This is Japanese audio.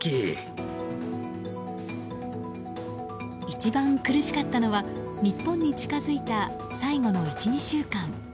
一番苦しかったのは日本に近づいた最後の１２週間。